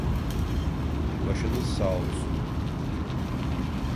Başınız sağolsun.